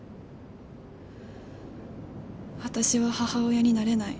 私は母親になれない。